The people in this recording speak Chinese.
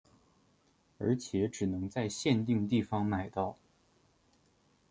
而且只能在限定地方买到。